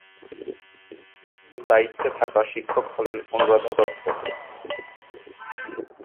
দায়িত্বে থাকা শিক্ষক হলেন অনুরাধা দত্ত।